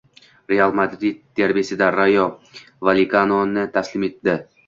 “Real” Madrid derbisida “Rayo Valyekano”ni taslim etdi